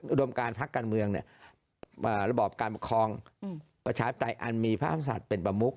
อุดมการภักดิ์การเมืองระบอบการประคองประชาติไตรอันมีพระมหาสัตว์เป็นประมุข